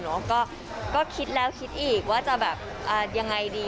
แล้วก็คิดแล้วคิดอีกว่าจะแบบยังไงดี